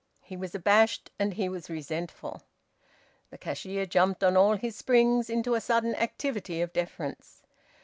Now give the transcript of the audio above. He was abashed and he was resentful. The cashier jumped on all his springs into a sudden activity of deference.